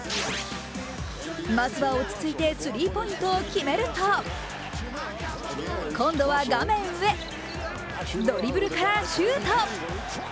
まずは落ち着いてスリーポイントを決めると、今度は画面上、ドリブルからシュート。